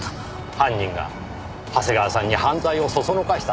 犯人が長谷川さんに犯罪をそそのかしたんです。